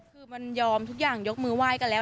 คือมันยอมทุกอย่างยกมือไหว้กันแล้ว